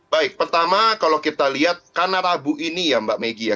baik pertama kalau kita lihat karena rabu ini ya mbak megi ya